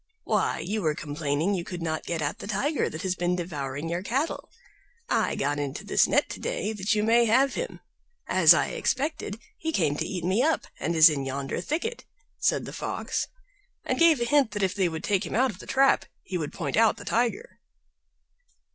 "Why, you were complaining you could not get at the Tiger that has been devouring your cattle; I got into this net to day that you may have him. As I expected, he came to eat me up, and is in yonder thicket," said the Fox, and gave a hint that if they would take him out of the trap he would point out the Tiger.